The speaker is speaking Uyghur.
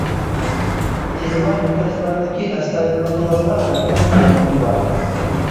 تېما، ئىنكاسلاردىكى ئەستايىدىللىقىڭىزغا بەكمۇ قايىللىقىم بار.